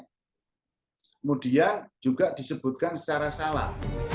kemudian juga disebutkan secara salah